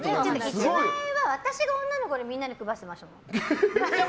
１万円は、私が女の子にみんなに配ってました。